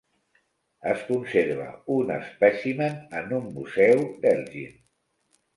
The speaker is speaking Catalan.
Es conserva un espècimen en un museu d'Elgin.